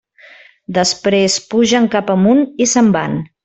Després pugen cap amunt i se'n van.